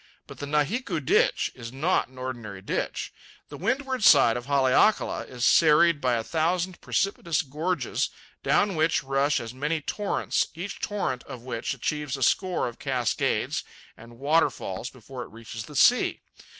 But the Nahiku Ditch is not an ordinary ditch. The windward side of Haleakala is serried by a thousand precipitous gorges, down which rush as many torrents, each torrent of which achieves a score of cascades and waterfalls before it reaches the sea.